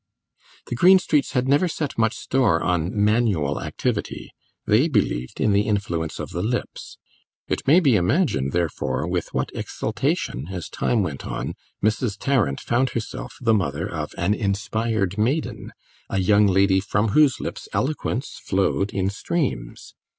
The Greenstreets had never set much store on manual activity; they believed in the influence of the lips. It may be imagined, therefore, with what exultation, as time went on, Mrs. Tarrant found herself the mother of an inspired maiden, a young lady from whose lips eloquence flowed in streams.